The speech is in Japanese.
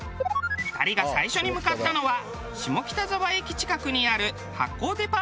２人が最初に向かったのは下北沢駅近くにある発酵デパートメント。